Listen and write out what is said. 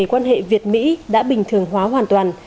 quan hệ việt mỹ đã bình thường hóa hoàn toàn